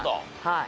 はい。